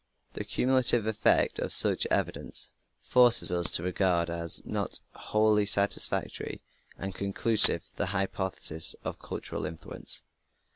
The cumulative effect of such evidence forces us to regard as not wholly satisfactory and conclusive the hypothesis of cultural influence.